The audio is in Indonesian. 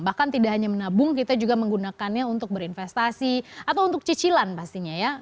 bahkan tidak hanya menabung kita juga menggunakannya untuk berinvestasi atau untuk cicilan pastinya ya